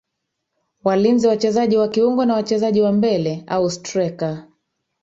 walinzi wachezaji wa kiungo na wachezaji wa mbele au straika